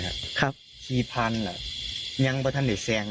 อีทำพี่ผ่านยั้งขังให้แซง